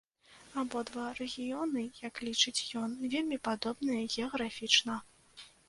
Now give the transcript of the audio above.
Абодва рэгіёны, як лічыць ён, вельмі падобныя геаграфічна.